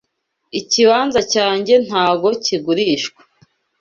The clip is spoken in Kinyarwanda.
Ikibanza cyange ntago kigurishwa